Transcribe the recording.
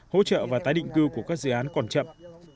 hỗ trợ và tái định cư của các dự án còn chậm